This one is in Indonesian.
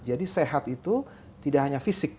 jadi sehat itu tidak hanya fisik